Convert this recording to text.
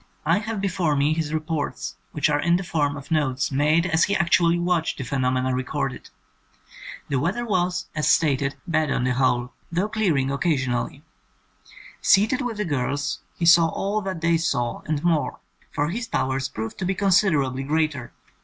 I have before me his reports, which are in the form of notes made as he actually watched the phenomena re corded. The weather was, as stated, bad on 106 THE SECOND SERIES the whole, though clearing occasionally. Seated with the girls, he saw all that they saw, and more, for his powers proved to be considerably greater.